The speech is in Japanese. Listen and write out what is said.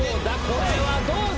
これはどうだ？